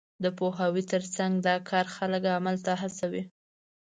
د پوهاوي تر څنګ، دا کار خلک عمل ته هڅوي.